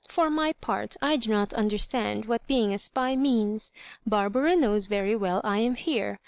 For my part I do not understand what being a spy means. Barbara knows very well I am here.